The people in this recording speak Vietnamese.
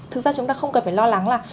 thực ra chúng ta không cần phải lo lắng là